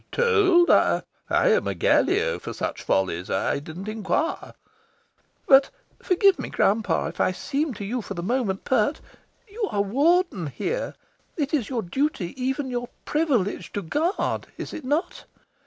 "Told? I am a Gallio for such follies. I didn't inquire." "But (forgive me, grand papa, if I seem to you, for the moment, pert) you are Warden here. It is your duty, even your privilege, to GUARD. Is it not?